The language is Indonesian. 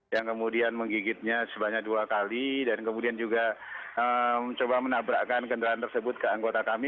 yang kemudian menggigitnya sebanyak dua kali dan kemudian juga mencoba menabrakkan kendaraan tersebut ke anggota kami